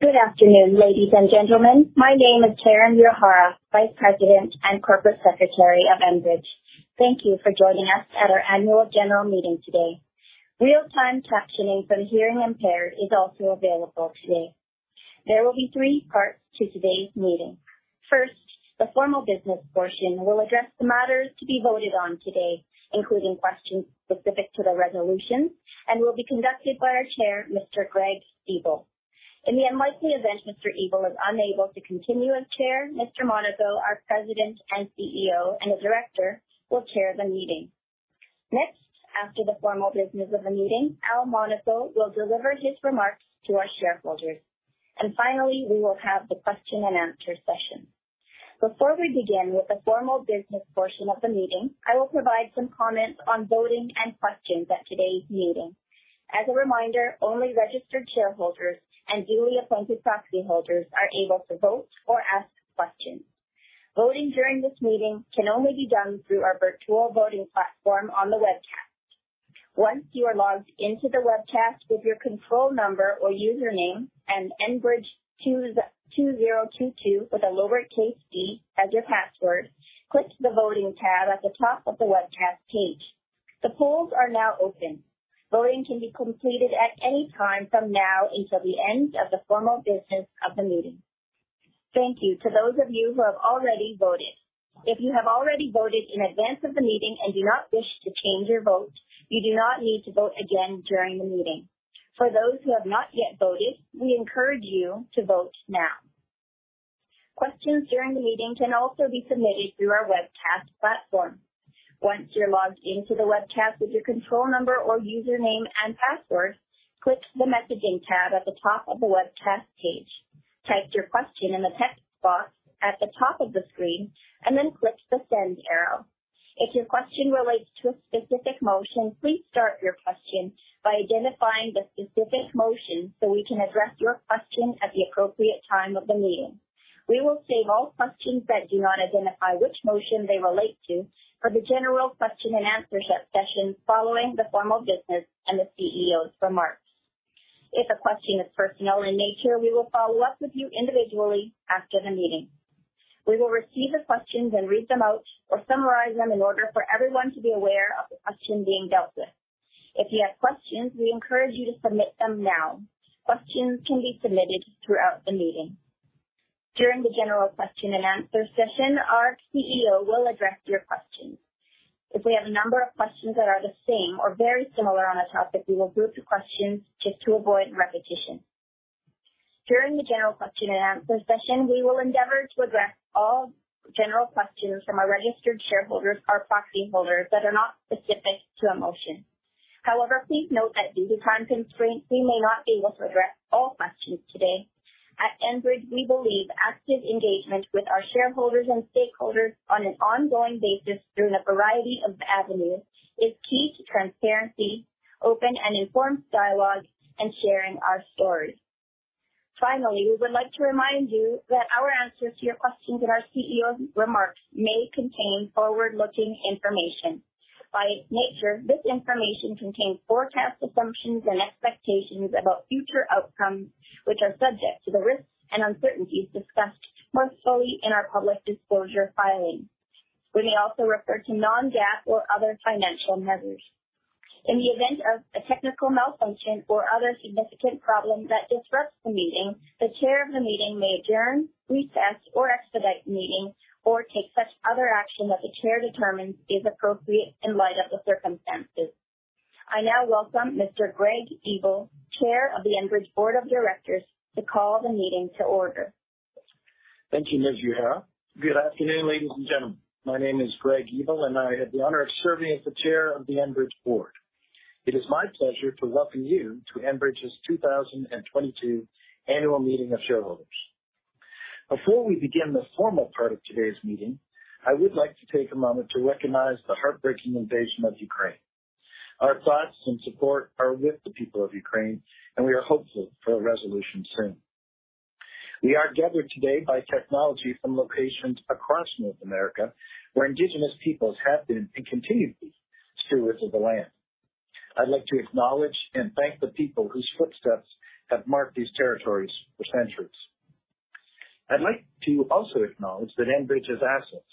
Good afternoon, ladies and gentlemen. My name is Karen Uehara, Vice President and Corporate Secretary of Enbridge. Thank you for joining us at our annual general meeting today. Real-time captioning for the hearing impaired is also available today. There will be three parts to today's meeting. First, the formal business portion will address the matters to be voted on today, including questions specific to the resolutions, and will be conducted by our Chair, Mr. Greg Ebel. In the unlikely event Mr. Ebel is unable to continue as Chair, Mr. Monaco, our President and CEO, and a director, will chair the meeting. Next, after the formal business of the meeting, Al Monaco will deliver his remarks to our shareholders. Finally, we will have the question and answer session. Before we begin with the formal business portion of the meeting, I will provide some comments on voting and questions at today's meeting. As a reminder, only registered shareholders and duly appointed proxy holders are able to vote or ask questions. Voting during this meeting can only be done through our virtual voting platform on the webcast. Once you are logged into the webcast with your control number or username and Enbridge 2022 with a lowercase d as your password, click the Voting tab at the top of the webcast page. The polls are now open. Voting can be completed at any time from now until the end of the formal business of the meeting. Thank you to those of you who have already voted. If you have already voted in advance of the meeting and do not wish to change your vote, you do not need to vote again during the meeting. For those who have not yet voted, we encourage you to vote now. Questions during the meeting can also be submitted through our webcast platform. Once you're logged into the webcast with your control number or username and password, click the Messaging tab at the top of the webcast page. Type your question in the text box at the top of the screen and then click the send arrow. If your question relates to a specific motion, please start your question by identifying the specific motion so we can address your question at the appropriate time of the meeting. We will save all questions that do not identify which motion they relate to for the general question and answer session following the formal business and the CEO's remarks. If a question is personal in nature, we will follow up with you individually after the meeting. We will receive the questions and read them out or summarize them in order for everyone to be aware of the question being dealt with. If you have questions, we encourage you to submit them now. Questions can be submitted throughout the meeting. During the general question and answer session, our CEO will address your questions. If we have a number of questions that are the same or very similar on a topic, we will group the questions just to avoid repetition. During the general question and answer session, we will endeavor to address all general questions from our registered shareholders or proxy holders that are not specific to a motion. However, please note that due to time constraints, we may not be able to address all questions today. At Enbridge, we believe active engagement with our shareholders and stakeholders on an ongoing basis through the variety of avenues is key to transparency, open and informed dialogue, and sharing our stories. Finally, we would like to remind you that our answers to your questions and our CEO's remarks may contain forward-looking information. By nature, this information contains forecast assumptions and expectations about future outcomes, which are subject to the risks and uncertainties discussed most fully in our public disclosure filings. We may also refer to non-GAAP or other financial measures. In the event of a technical malfunction or other significant problems that disrupt the meeting, the chair of the meeting may adjourn, recess, or expedite the meeting or take such other action that the chair determines is appropriate in light of the circumstances. I now welcome Mr. Greg Ebel, Chair of the Enbridge Board of Directors, to call the meeting to order. Thank you, Ms. Uehara. Good afternoon, ladies and gentlemen. My name is Greg Ebel, and I have the honor of serving as the chair of the Enbridge board. It is my pleasure to welcome you to Enbridge's 2022 annual meeting of shareholders. Before we begin the formal part of today's meeting, I would like to take a moment to recognize the heartbreaking invasion of Ukraine. Our thoughts and support are with the people of Ukraine, and we are hopeful for a resolution soon. We are gathered today by technology from locations across North America, where indigenous peoples have been and continue to be stewards of the land. I'd like to acknowledge and thank the people whose footsteps have marked these territories for centuries. I'd like to also acknowledge that Enbridge's assets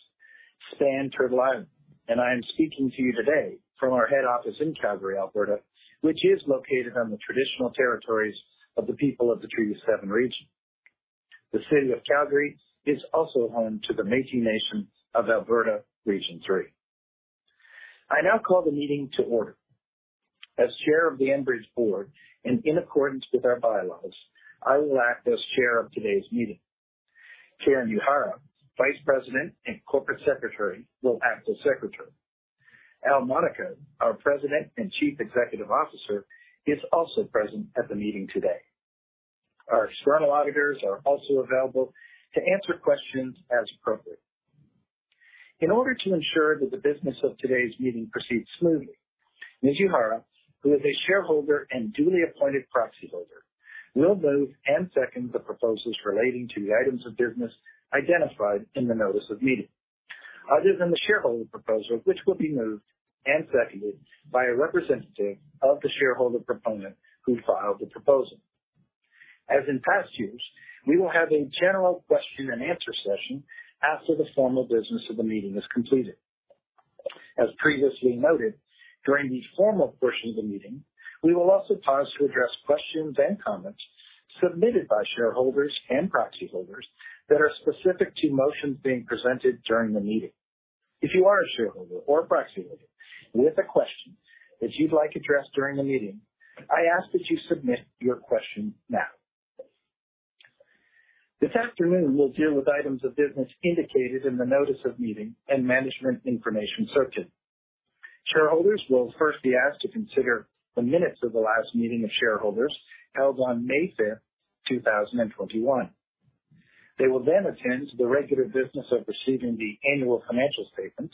span Turtle Island, and I am speaking to you today from our head office in Calgary, Alberta, which is located on the traditional territories of the people of the Treaty Seven region. The city of Calgary is also home to the Métis Nation of Alberta, Region Three. I now call the meeting to order. As Chair of the Enbridge Board and in accordance with our bylaws, I will act as chair of today's meeting. Karen Uehara, Vice President and Corporate Secretary, will act as secretary. Al Monaco, our President and Chief Executive Officer, is also present at the meeting today. Our external auditors are also available to answer questions as appropriate. In order to ensure that the business of today's meeting proceeds smoothly, Ms. Uehara, who is a shareholder and duly appointed proxy holder, will move and second the proposals relating to the items of business identified in the notice of meeting. Other than the shareholder proposal, which will be moved and seconded by a representative of the shareholder proponent who filed the proposal. As in past years, we will have a general question and answer session after the formal business of the meeting is completed. As previously noted, during the formal portion of the meeting, we will also pause to address questions and comments submitted by shareholders and proxy holders that are specific to motions being presented during the meeting. If you are a shareholder or a proxy holder with a question that you'd like addressed during the meeting, I ask that you submit your question now. This afternoon, we'll deal with items of business indicated in the notice of meeting and Management Information Circular. Shareholders will first be asked to consider the minutes of the last meeting of shareholders held on May 5th 2021. They will then attend to the regular business of receiving the annual financial statements,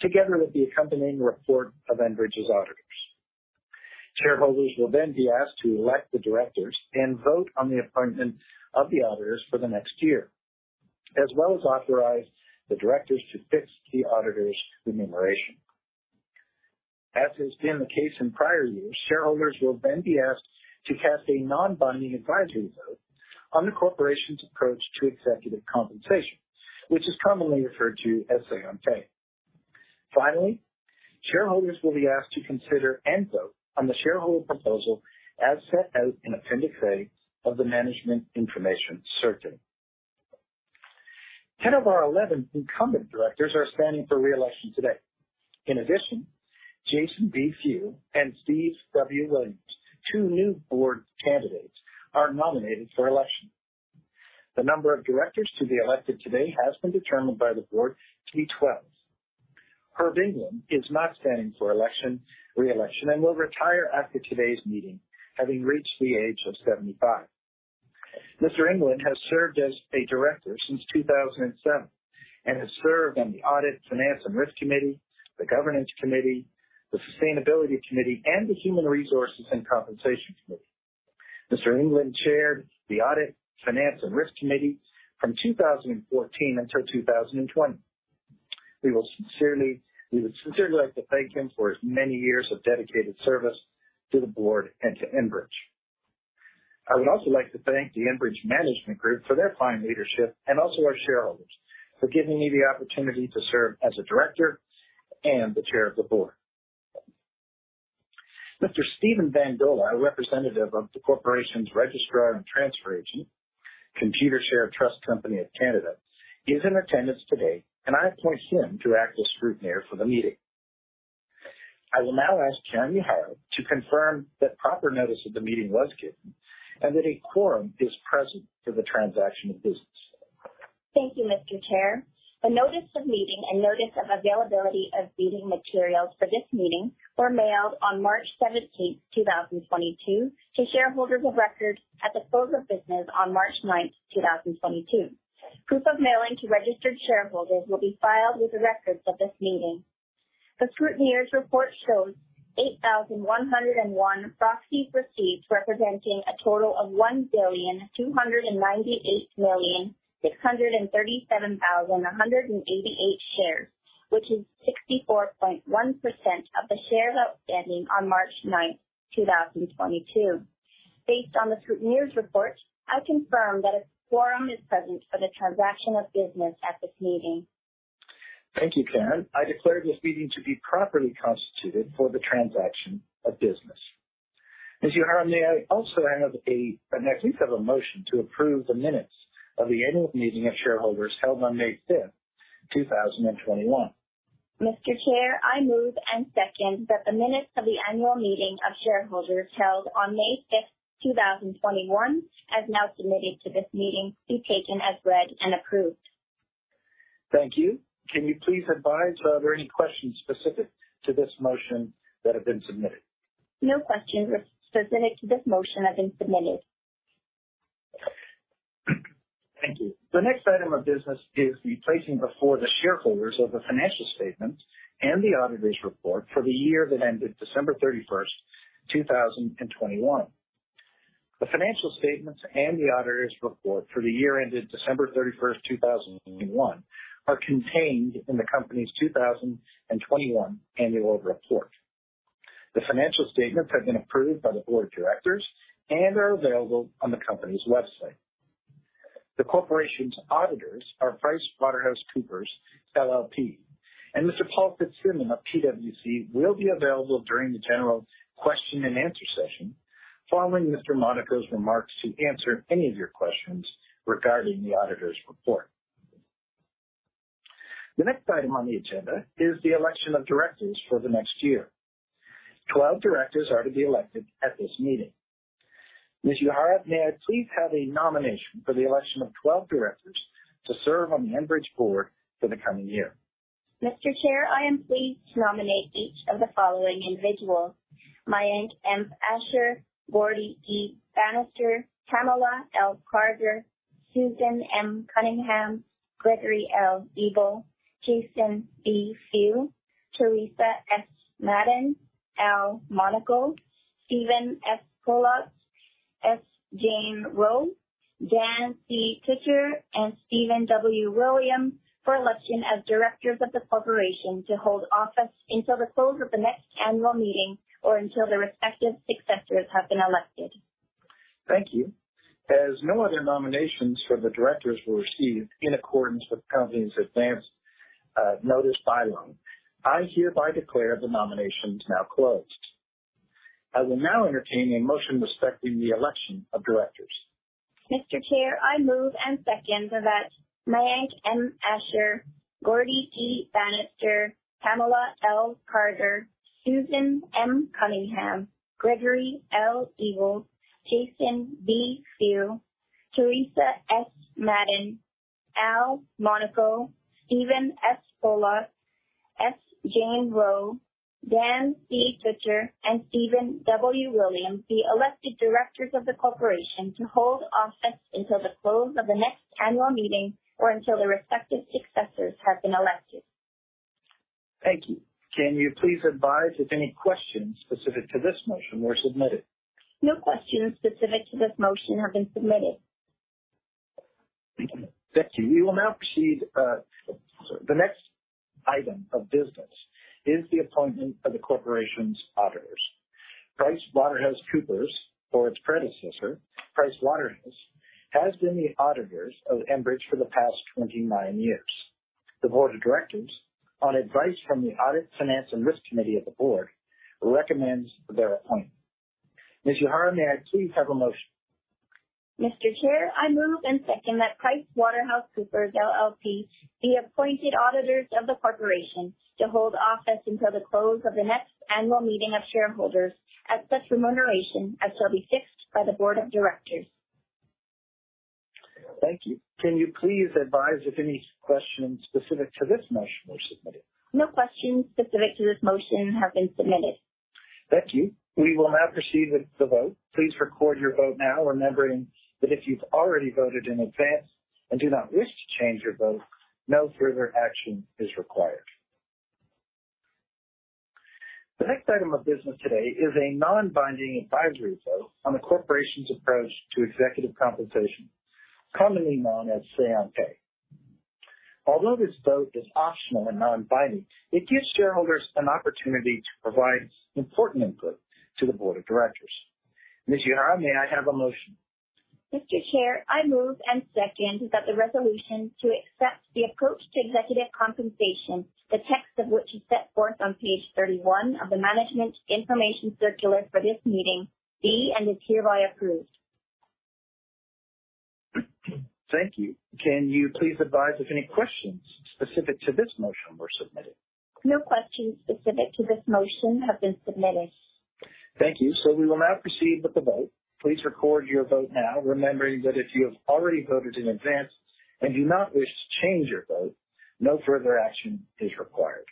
together with the accompanying report of Enbridge's auditors. Shareholders will then be asked to elect the directors and vote on the appointment of the auditors for the next year, as well as authorize the directors to fix the auditors' remuneration. As has been the case in prior years, shareholders will then be asked to cast a non-binding advisory vote on the corporation's approach to executive compensation, which is commonly referred to as Say on Pay. Finally, shareholders will be asked to consider and vote on the shareholder proposal as set out in Appendix A of the Management Information Circular. 10 of our 11 incumbent directors are standing for re-election today. In addition, Jason B. Few and Steven W. Williams, two new board candidates, are nominated for election. The number of directors to be elected today has been determined by the board to be 12. Herb England is not standing for election, re-election, and will retire after today's meeting, having reached the age of 75. Mr. England has served as a director since 2007 and has served on the Audit, Finance & Risk Committee, the Governance Committee, the Sustainability Committee, and the Human Resources & Compensation Committee. Mr. England chaired the Audit, Finance & Risk Committee from 2014 until 2020. We would sincerely like to thank him for his many years of dedicated service to the board and to Enbridge. I would also like to thank the Enbridge management group for their fine leadership and also our shareholders for giving me the opportunity to serve as a director and the chair of the board. Mr. Steven Bandola, a representative of the corporation's registrar and transfer agent, Computershare Trust Company of Canada, is in attendance today, and I appoint him to act as scrutineer for the meeting. I will now ask Karen Uehara to confirm that proper notice of the meeting was given and that a quorum is present for the transaction of business. Thank you, Mr. Chair. The notice of meeting and notice of availability of meeting materials for this meeting were mailed on March 17th 2022, to shareholders of record at the close of business on March ninth, 2022. Proof of mailing to registered shareholders will be filed with the records of this meeting. The scrutineer's report shows 8,101 proxy receipts representing a total of 1,298,637,188 shares, which is 64.1% of the shares outstanding on March 9th 2022. Based on the scrutineer's report, I confirm that a quorum is present for the transaction of business at this meeting. Thank you, Karen. I declare this meeting to be properly constituted for the transaction of business. Ms. Uehara, may I please have a motion to approve the minutes of the annual meeting of shareholders held on May 5th 2021. Mr. Chair, I move and second that the minutes of the annual meeting of shareholders held on May 5th 2021, as now submitted to this meeting, be taken as read and approved. Thank you. Can you please advise, are there any questions specific to this motion that have been submitted? No questions specific to this motion have been submitted. Thank you. The next item of business is the placing before the shareholders of the financial statements and the auditor's report for the year that ended December 31st 2021. The financial statements and the auditor's report for the year ended December 31st 2021, are contained in the company's 2021 annual report. The financial statements have been approved by the board of directors and are available on the company's website. The corporation's auditors are PricewaterhouseCoopers LLP, and Mr. Paul Fitzsimmons of PwC will be available during the general question and answer session following Mr. Monaco's remarks to answer any of your questions regarding the auditor's report. The next item on the agenda is the election of directors for the next year. 12 directors are to be elected at this meeting. Ms. Uehara, may I please have a nomination for the election of 12 directors to serve on the Enbridge board for the coming year. Mr. Chair, I am pleased to nominate each of the following individuals. Mayank M. Ashar, Gaurdie D. Bannister, Pamela L. Carter, Susan M. Cunningham, Gregory L. Ebel, Jason B. Few, Teresa S. Madden, Al Monaco, Stephen S. Poloz, S. Jane Rowe, Dan C. Tutcher, and Steven W. Williams for election as directors of the corporation to hold office until the close of the next annual meeting or until their respective successors have been elected. Thank you. As no other nominations for the directors were received in accordance with the company's advanced notice bylaw, I hereby declare the nominations now closed. I will now entertain a motion respecting the election of directors. Mr. Chair, I move and second that Mayank M. Ashar, Gaurdie E. Banister, Pamela L. Carter, Susan M. Cunningham, Gregory L. Ebel, Jason B. Few, Teresa S. Madden, Al Monaco, Stephen S. Poloz, S. Jane Rowe, Dan C. Tutcher, and Steven W. Williams be elected directors of the corporation to hold office until the close of the next annual meeting or until their respective successors have been elected. Thank you. Can you please advise if any questions specific to this motion were submitted? No questions specific to this motion have been submitted. Thank you. We will now proceed. The next item of business is the appointment of the corporation's auditors. PricewaterhouseCoopers or its predecessor, Pricewaterhouse, has been the auditors of Enbridge for the past 29 years. The Board of Directors, on advice from the Audit, Finance & Risk Committee of the Board, recommends their appointment. Ms. Uehara, may I please have a motion. Mr. Chair, I move and second that PricewaterhouseCoopers LLP be appointed auditors of the corporation to hold office until the close of the next annual meeting of shareholders at such remuneration as shall be fixed by the board of directors. Thank you. Can you please advise if any questions specific to this motion were submitted? No questions specific to this motion have been submitted. Thank you. We will now proceed with the vote. Please record your vote now, remembering that if you've already voted in advance and do not wish to change your vote, no further action is required. The next item of business today is a non-binding advisory vote on the corporation's approach to executive compensation, commonly known as Say on Pay. Although this vote is optional and non-binding, it gives shareholders an opportunity to provide important input to the board of directors. Ms. Uehara, may I have a motion? Mr. Chair, I move and second that the resolution to accept the approach to executive compensation, the text of which is set forth on page 31 of the Management Information Circular for this meeting be, and is hereby approved. Thank you. Can you please advise if any questions specific to this motion were submitted? No questions specific to this motion have been submitted. Thank you. We will now proceed with the vote. Please record your vote now, remembering that if you have already voted in advance and do not wish to change your vote, no further action is required.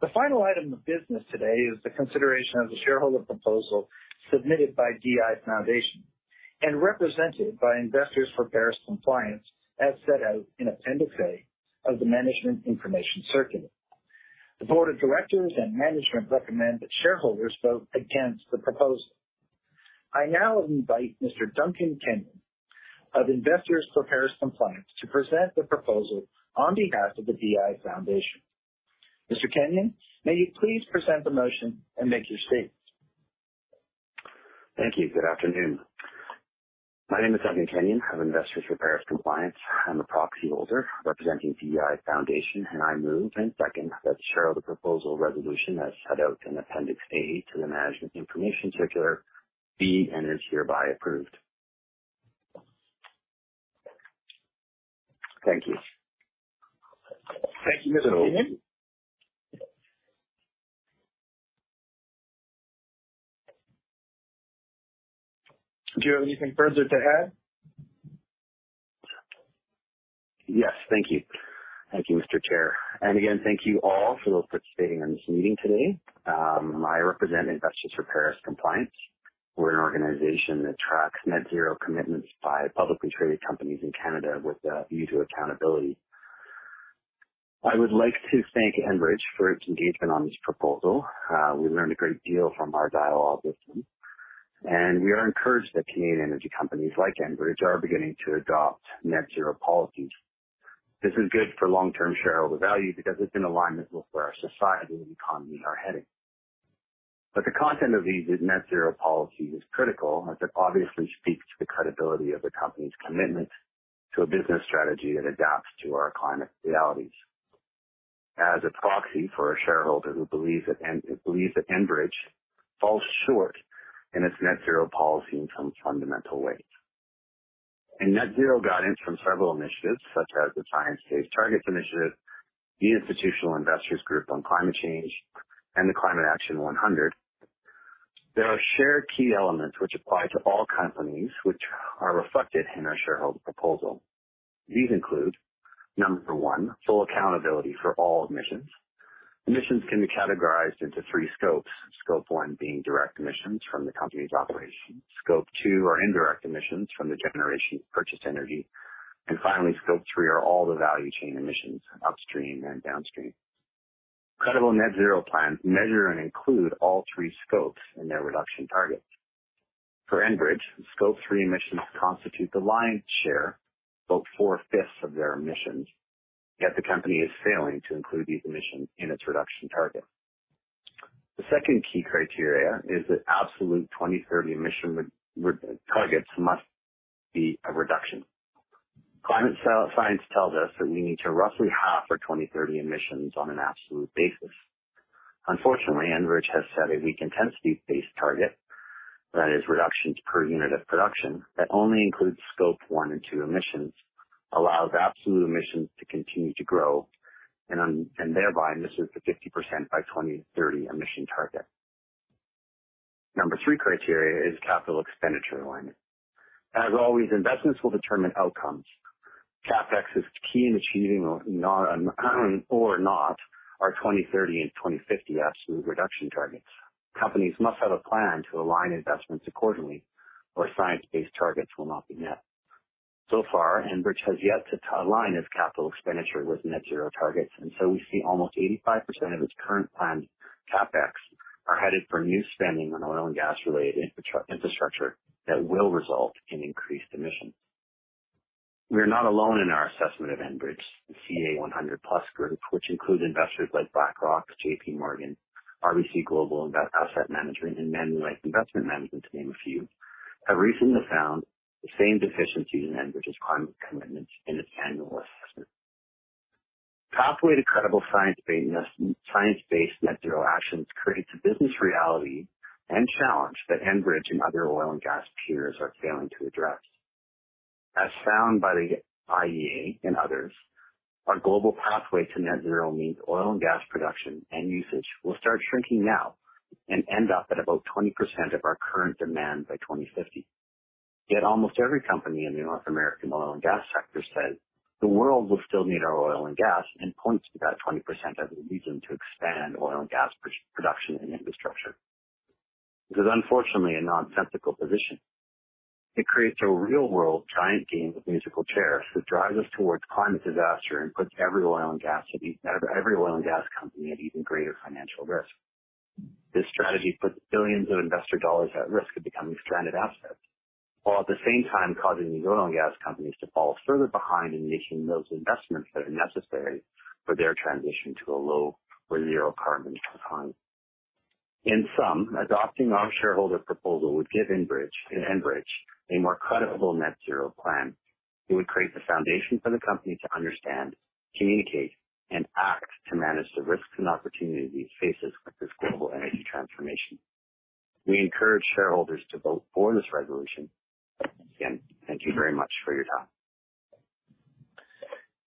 The final item of business today is the consideration of the shareholder proposal submitted by DI Foundation and represented by Investors for Paris Compliance, as set out in Appendix A of the Management Information Circular. The board of directors and management recommend that shareholders vote against the proposal. I now invite Mr. Duncan Kenyon of Investors for Paris Compliance to present the proposal on behalf of the DI Foundation. Mr. Kenyon, may you please present the motion and make your statement. Thank you. Good afternoon. My name is Duncan Kenyon of Investors for Paris Compliance. I'm a proxy holder representing DI Foundation, and I move and second that shareholder proposal resolution, as set out in Appendix A to the Management Information Circular, be and is hereby approved. Thank you. Thank you, Mr. Kenyon. Do you have anything further to add? Yes, thank you. Thank you, Mr. Chair. Again, thank you all for participating in this meeting today. I represent Investors for Paris Compliance. We're an organization that tracks net zero commitments by publicly traded companies in Canada with a view to accountability. I would like to thank Enbridge for its engagement on this proposal. We learned a great deal from our dialogue with you, and we are encouraged that Canadian energy companies like Enbridge are beginning to adopt net zero policies. This is good for long-term shareholder value because it's in alignment with where our society and economy are heading. The content of these net zero policies is critical, as it obviously speaks to the credibility of the company's commitment to a business strategy that adapts to our climate realities. As a proxy for a shareholder who believes that Enbridge falls short in its net zero policy in some fundamental ways. In net zero guidance from several initiatives such as the Science Based Targets initiative, the Institutional Investors Group on Climate Change, and the Climate Action 100, there are shared key elements which apply to all companies which are reflected in our shareholder proposal. These include, number one, full accountability for all emissions. Emissions can be categorized into three scopes. Scope one being direct emissions from the company's operations. Scope two are indirect emissions from the generation of purchased energy. Scope three are all the value chain emissions, upstream and downstream. Credible net zero plans measure and include all three scopes in their reduction targets. For Enbridge, Scope three emissions constitute the lion's share, about 4/5 of their emissions. Yet the company is failing to include these emissions in its reduction target. The second key criteria is that absolute 2030 emission targets must be a reduction. Climate science tells us that we need to roughly half our 2030 emissions on an absolute basis. Unfortunately, Enbridge has set a weak intensity-based target, that is, reductions per unit of production, that only includes Scope one and two emissions, allows absolute emissions to continue to grow, and thereby misses the 50% by 2030 emission target. Number three criteria is capital expenditure alignment. As always, investments will determine outcomes. CapEx is key in achieving or not our 2030 and 2050 absolute reduction targets. Companies must have a plan to align investments accordingly, or science-based targets will not be met. So far, Enbridge has yet to align its capital expenditure with net zero targets, and we see almost 85% of its current planned CapEx headed for new spending on oil and gas related infrastructure that will result in increased emissions. We are not alone in our assessment of Enbridge. The Climate Action 100+ group, which includes investors like BlackRock, JPMorgan, RBC Global Asset Management, and Manulife Investment Management, to name a few, have recently found the same deficiencies in Enbridge's climate commitments in its annual assessment. Pathway to credible science-based net zero actions creates a business reality and challenge that Enbridge and other oil and gas peers are failing to address. As found by the IEA and others, our global pathway to net zero means oil and gas production and usage will start shrinking now and end up at about 20% of our current demand by 2050. Yet almost every company in the North American oil and gas sector says the world will still need our oil and gas, and points to that 20% as a reason to expand oil and gas production and infrastructure. This is unfortunately a nonsensical position. It creates a real world giant game of musical chairs that drives us towards climate disaster and puts every oil and gas company at even greater financial risk. This strategy puts billions of investor dollars at risk of becoming stranded assets, while at the same time causing these oil and gas companies to fall further behind in making those investments that are necessary for their transition to a low or zero carbon economy. In sum, adopting our shareholder proposal would give Enbridge a more credible net zero plan. It would create the foundation for the company to understand, communicate, and act to manage the risks and opportunities it faces with this global energy transformation. We encourage shareholders to vote for this resolution. Again, thank you very much for your time.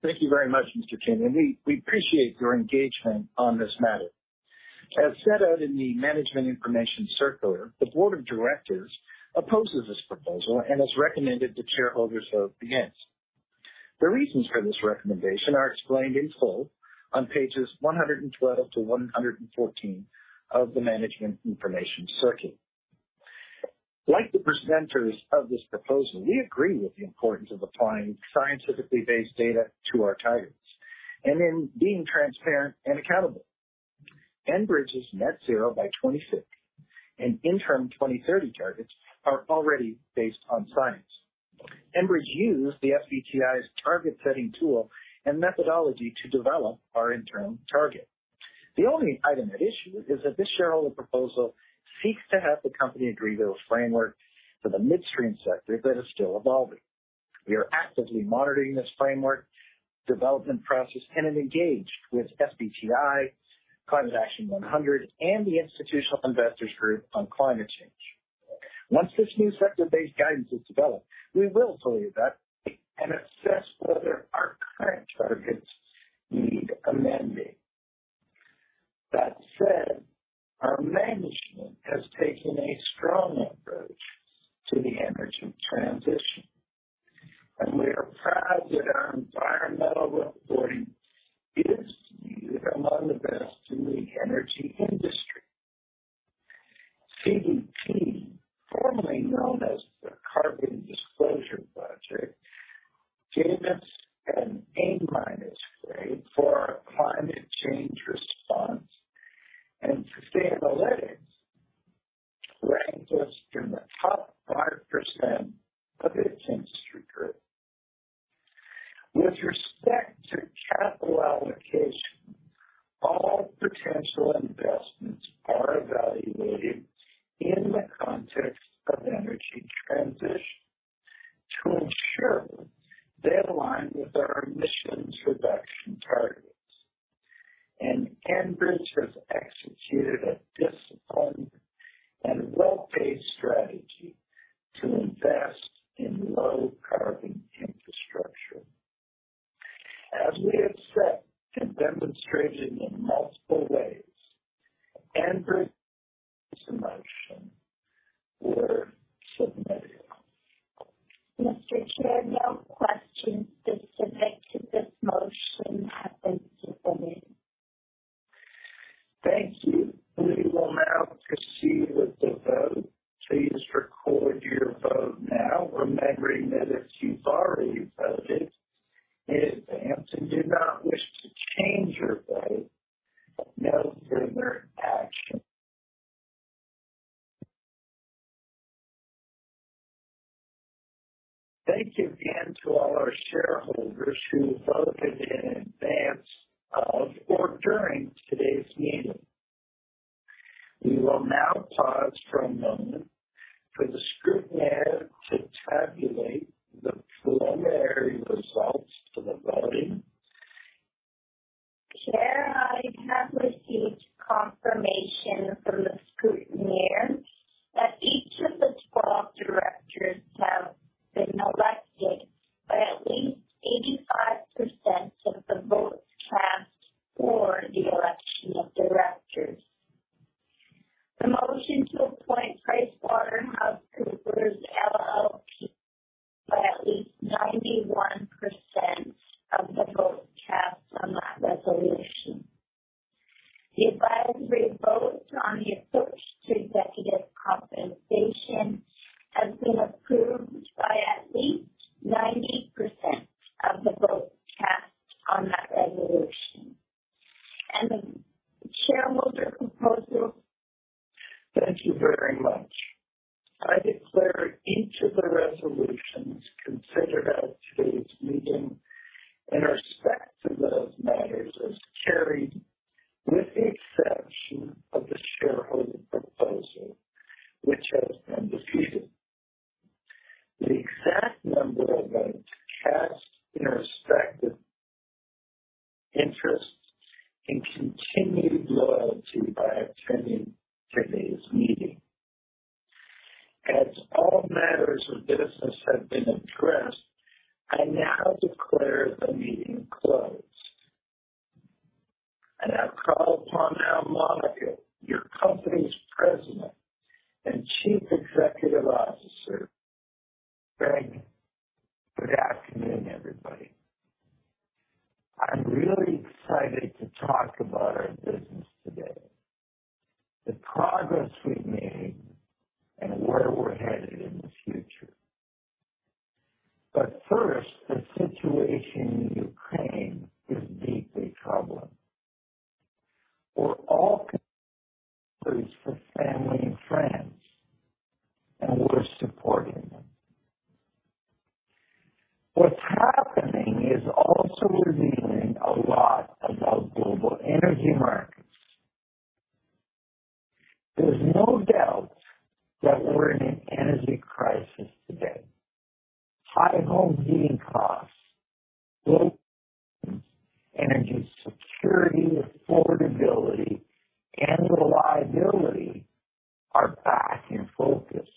Thank you very much, Mr. Kenyon, and we appreciate your engagement on this matter. As set out in the Management Information Circular, the Board of Directors opposes this proposal and has recommended that shareholders vote against. The reasons for this recommendation are explained in full on pages 112-114 of the Management Information Circular. Like the presenters of this proposal, we agree with the importance of applying scientifically based data to our targets and in being transparent and accountable. Enbridge's net zero by 2050 and interim 2030 targets are already based on science. Enbridge used the SBTI's target setting tool and methodology to develop our interim target. The only item at issue is that this shareholder proposal seeks to have the company agree to a framework for the midstream sector that is still evolving. We are actively monitoring this framework development process and have engaged with SBTI, Climate Action 100, and the Institutional Investors Group on Climate Change. Once this new sector-based guidance is developed, we will tell you that and assess whether our current targets need amending. That said, our management has taken a strong approach to the energy transition, and we are proud that our environmental reporting is among the best in the energy industry. CDP, formerly known as the Carbon Disclosure Project, gave us an A-minus grade for our climate change response, and Sustainalytics ranked us in the top 5% of its industry group. With respect to capital allocation, all potential investments are evaluated in the context of energy transition to ensure they align with our emissions reduction targets. Enbridge has executed a disciplined and well-paced strategy to invest in low carbon infrastructure. As we have said and demonstrated in multiple ways, Enbridge motions were submitted. Mr. Chair, no questions specific to this motion have been submitted. Thank you. Now remembering that if you've already voted in advance and do not wish to change your vote, no further action. Thank you again to all our shareholders who voted in advance of or during today's meeting. We will now pause for a moment for the scrutineer to tabulate the preliminary results for the voting. Chair, I have received confirmation from the scrutineer that each of the 12 directors have been elected by at least 85% of the votes cast for the election of directors. The motion to appoint PricewaterhouseCoopers LLP by at least 91% of the votes cast on that resolution. The advisory vote on the approach to executive compensation has been approved by at least 90% of the votes cast on that resolution. The shareholder proposal. Thank you very much. I declare each of the resolutions considered at today's meeting in respect to those matters as carried with the exception of the shareholder proposal which has been defeated. Thank you for your interest and continued loyalty by attending today's meeting. As all matters of business have been addressed, I now declare the meeting closed. I call upon Al Monaco, your company's President and Chief Executive Officer. Good afternoon, everybody. I'm really excited to talk about our business today, the progress we've made and where we're headed in the future. First, the situation in Ukraine is deeply troubling. We're all concerned for family and friends, and we're supporting them. What's happening is also revealing a lot about global energy markets. There's no doubt that we're in an energy crisis today. High home heating costs, low energy security, affordability and reliability are back in focus.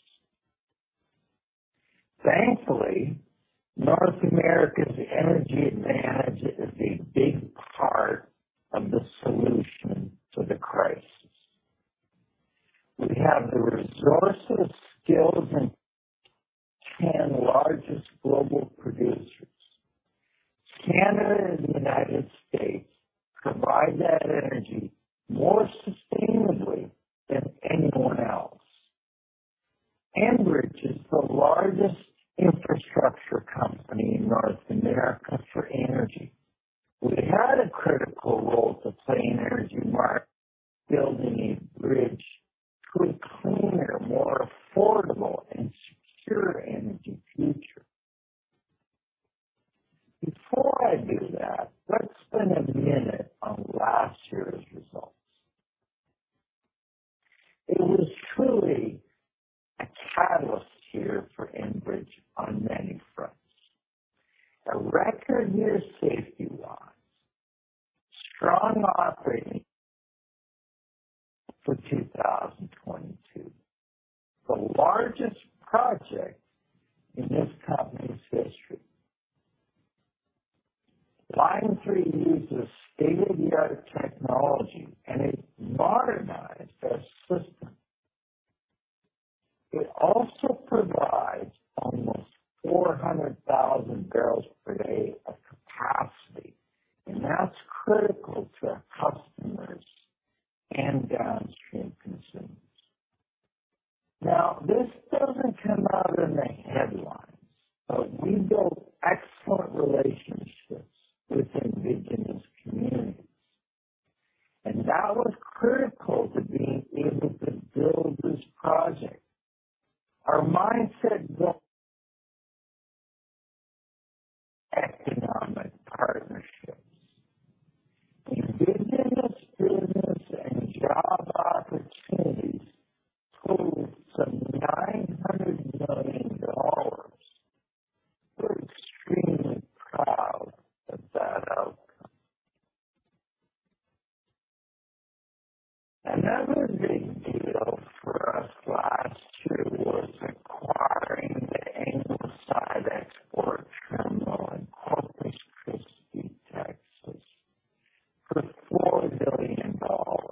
Thankfully, North America's energy advantage is a big part of the solution to the crisis. We have the resources, skills, and 10 largest global producers. Canada and the United States provide that energy more sustainably than anyone else. Enbridge is the largest infrastructure company in North America for energy. We had a critical role to play in energy markets, building a bridge to a cleaner, more affordable and secure energy future. Before I do that, let's spend a minute on last year's results. It was truly a catalyst year for Enbridge on many fronts. A record year safety-wise. Strong operating for 2022. The largest project in this company's history. Line three uses state-of-the-art technology, and it modernized our system. It also provides almost 400,000 bbl per day of capacity, and that's critical to our customers and downstream consumers. Now, this doesn't come out in the headlines, but we built excellent relationships with Indigenous communities, and that was critical to being able to build this project. Our mindset was economic partnerships. Indigenous business and job opportunities totaled some $900 million. We're extremely proud of that outcome. Another big deal for us last year was acquiring the Ingleside export terminal in Corpus Christi, Texas for $4 billion. As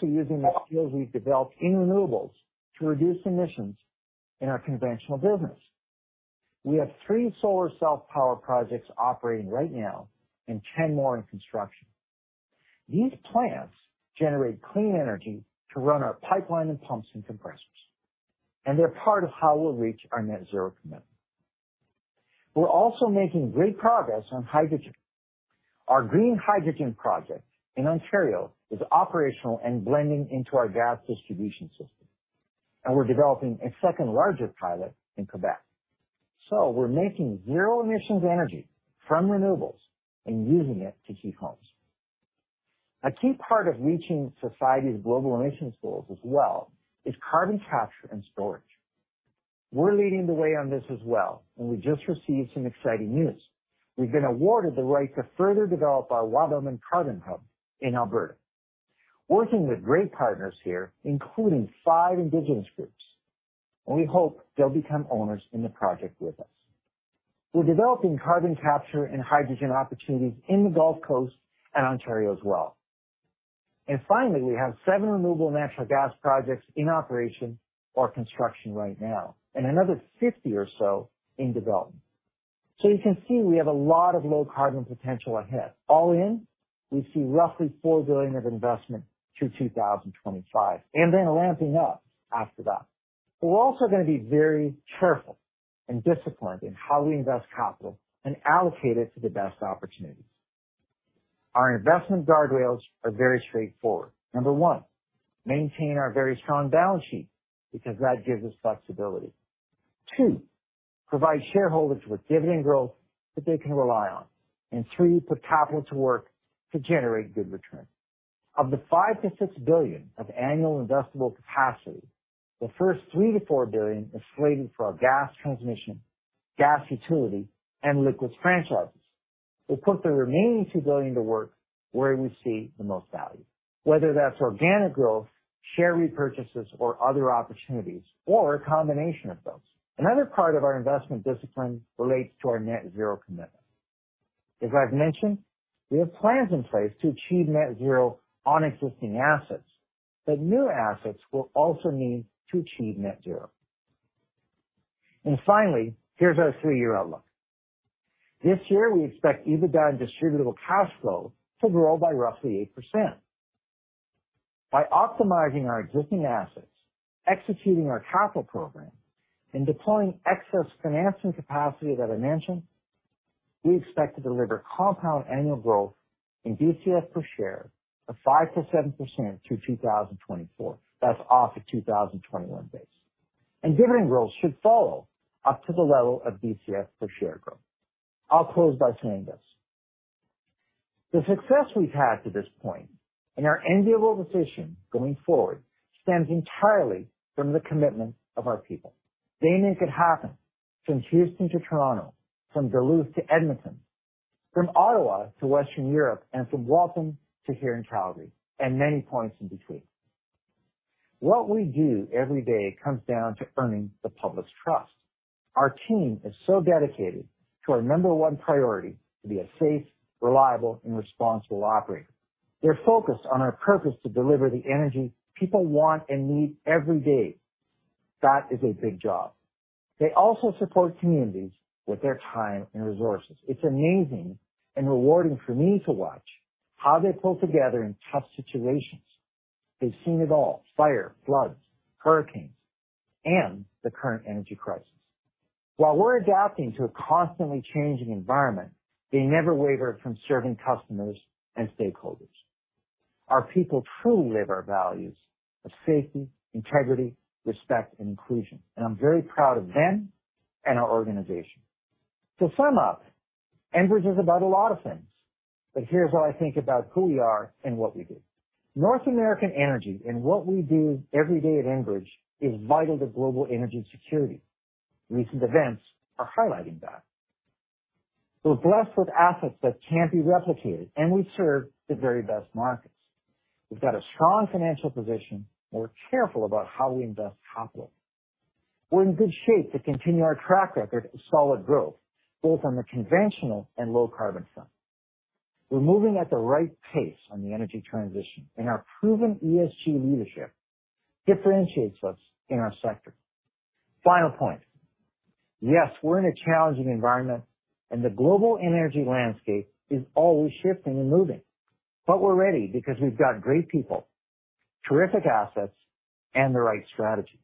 well positioned for natural gas to play a much larger role in decarbonization. We have a huge inventory of conventional and low carbon opportunities in the order of CAD 6 billion a year. On the conventional side, we're expanding and modernizing our gas systems, which will displace coal. Using the skills we've developed in renewables to reduce emissions in our conventional business. We have three solar self-power projects operating right now and 10 more in construction. These plants generate clean energy to run our pipeline and pumps and compressors, and they're part of how we'll reach our net zero commitment. We're also making great progress on hydrogen. Our green hydrogen project in Ontario is operational and blending into our gas distribution system. We're developing a second larger pilot in Quebec. We're making zero emissions energy from renewables and using it to heat homes. A key part of reaching society's global emissions goals as well is carbon capture and storage. We're leading the way on this as well, and we just received some exciting news. We've been awarded the right to further develop our Wabamun Carbon Hub in Alberta. Working with great partners here, including five Indigenous groups, and we hope they'll become owners in the project with us. We're developing carbon capture and hydrogen opportunities in the Gulf Coast and Ontario as well. Finally, we have seven renewable natural gas projects in operation or construction right now, and another 50 or so in development. You can see we have a lot of low carbon potential ahead. All in, we see roughly 4 billion of investment through 2025, and then ramping up after that. We're also gonna be very careful and disciplined in how we invest capital and allocate it to the best opportunities. Our investment guardrails are very straightforward. Number one, maintain our very strong balance sheet because that gives us flexibility. Two, provide shareholders with dividend growth that they can rely on. Three, put capital to work to generate good returns. Of the 5 billion-6 billion of annual investable capacity, the first 3 billion-4 billion is slated for our gas transmission, gas utility, and liquids franchises. We'll put the remaining 2 billion to work where we see the most value, whether that's organic growth, share repurchases, or other opportunities, or a combination of those. Another part of our investment discipline relates to our net zero commitment. As I've mentioned, we have plans in place to achieve net zero on existing assets, but new assets will also need to achieve net zero. Finally, here's our three year outlook. This year, we expect EBITDA and distributable cash flow to grow by roughly 8%. By optimizing our existing assets, executing our capital program, and deploying excess financing capacity that I mentioned, we expect to deliver compound annual growth in DCF per share of 5%-7% through 2024. That's off the 2021 base. Dividend growth should follow up to the level of DCF per share growth. I'll close by saying this. The success we've had to this point and our enviable position going forward stems entirely from the commitment of our people. They make it happen from Houston to Toronto, from Duluth to Edmonton, from Ottawa to Western Europe, and from Walton to here in Calgary, and many points in between. What we do every day comes down to earning the public's trust. Our team is so dedicated to our number one priority, to be a safe, reliable, and responsible operator. They're focused on our purpose to deliver the energy people want and need every day. That is a big job. They also support communities with their time and resources. It's amazing and rewarding for me to watch how they pull together in tough situations. They've seen it all, fire, floods, hurricanes, and the current energy crisis. While we're adapting to a constantly changing environment, they never waver from serving customers and stakeholders. Our people truly live our values of safety, integrity, respect, and inclusion, and I'm very proud of them and our organization. To sum up, Enbridge is about a lot of things, but here's what I think about who we are and what we do. North American energy and what we do every day at Enbridge is vital to global energy security. Recent events are highlighting that. We're blessed with assets that can't be replicated, and we serve the very best markets. We've got a strong financial position, and we're careful about how we invest capital. We're in good shape to continue our track record of solid growth, both on the conventional and low-carbon front. We're moving at the right pace on the energy transition, and our proven ESG leadership differentiates us in our sector. Final point. Yes, we're in a challenging environment and the global energy landscape is always shifting and moving, but we're ready because we've got great people, terrific assets, and the right strategies.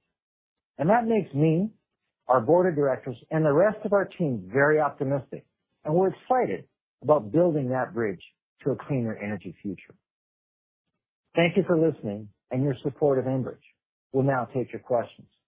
That makes me, our board of directors, and the rest of our team very optimistic, and we're excited about building that bridge to a cleaner energy future. Thank you for listening and your support of Enbridge. We'll now take your questions.